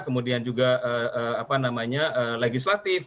kemudian juga legislatif